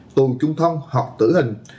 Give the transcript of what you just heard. tù trung thông hoặc tử hình